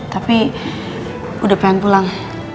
tapi udah pengen pulang